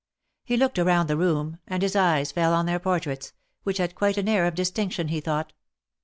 He looked around the room, and his eyes fell on their portraits, which had quite an air of distinction, he thought.